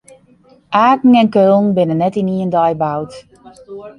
Aken en Keulen binne net yn ien dei boud.